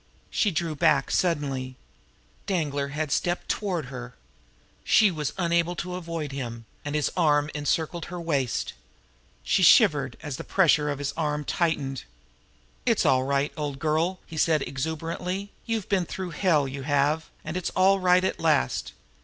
She drew back suddenly. Danglar had stepped toward her. She was unable to avoid him, and his arm encircled her waist. She shivered as the pressure of his arm tightened. "It's all right, old girl!" he said exuberantly. "You've been through hell, you have; but it's all right at last.